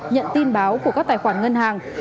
nhận tin báo của các tài khoản ngân hàng